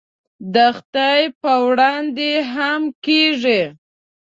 د خدای په وړاندې هم کېږي.